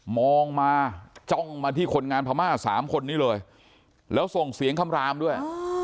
มองมาจ้องมาที่คนงานพม่า๓คนนี้เลยแล้วส่งเสียงคำรามด้วย